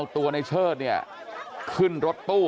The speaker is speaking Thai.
กลับไปลองกลับ